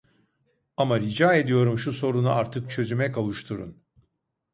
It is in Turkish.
Ama rica ediyorum şu sorunu artık çözüme kavuşturun